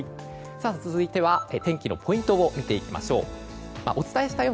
続いては天気のポイントを見ていきましょう。